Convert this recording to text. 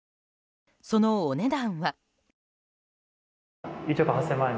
そのお値段は。